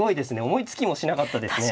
思いつきもしなかったですね。